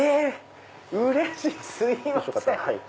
うれしい！